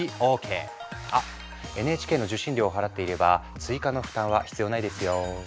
あＮＨＫの受信料を払っていれば追加の負担は必要ないですよ。